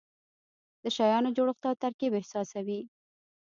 د شیانو جوړښت او ترکیب احساسوي.